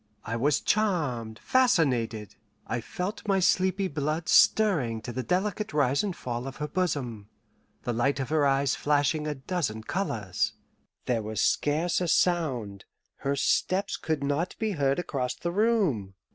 I was charmed, fascinated. I felt my sleepy blood stirring to the delicate rise and fall of her bosom, the light of her eyes flashing a dozen colours. There was scarce a sound her steps could not be heard across the room.